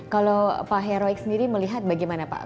kalau pak heroik sendiri melihat bagaimana pak